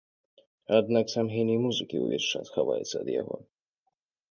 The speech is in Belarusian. Аднак сам геній музыкі ўвесь час хаваецца ад яго.